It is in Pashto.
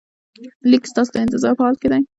لینک ستاسو د انتظار په حال کې دی.